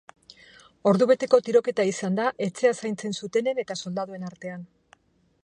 Ordubeteko tiroketa izan da etxea zaintzen zutenen eta soldaduen artean.